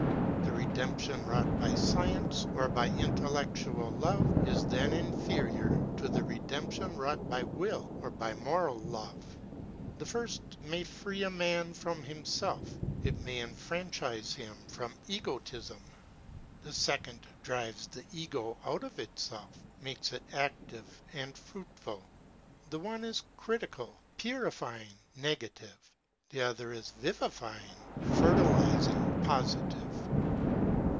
The redemption wrought by science or by intellectual love is then inferior to the redemption wrought by will or by moral love. The first may free a man from him self, it may enfranchise him from egotism. The second drives the ego out of itself, makes it active and fruitful. The one is critical, purifying, negative; the other is vivifying, fertilising, positive.